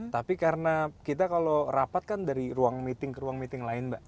tapi karena kita kalau rapat kan dari ruang meeting ke ruang meeting lain mbak